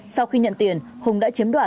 sau khi nhận tiền hùng đã chiếm đoạt